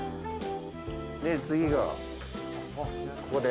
で次がここで。